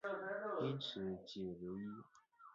因此解唯一。